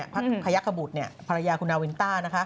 พระพยักขบุตรภรรยาคุณนาวินต้า